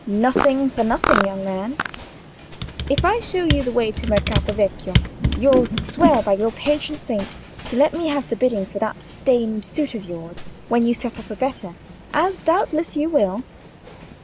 Nothing for nothing, young man. If I show you the way to Mercato Vecchio, you'll swear by your patron saint to let me have the bidding for that stained suit of yours, when you set up a better—as doubtless you will."